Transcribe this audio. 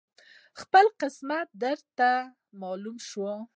خپل قسمت درته معلوم شو